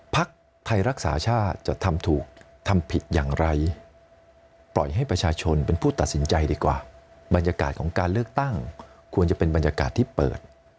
พักไทยรักษาชาติจะทำถูกทำผิดอย่างไรปล่อยให้ประชาชนเป็นผู้ตัดสินใจดีกว่าบรรยากาศของการเลือกตั้งควรจะเป็นบรรยากาศที่เปิด